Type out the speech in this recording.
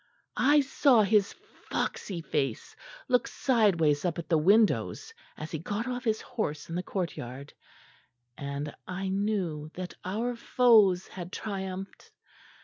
"I saw his foxy face look sideways up at the windows as he got off his horse in the courtyard; and I knew that our foes had triumphed.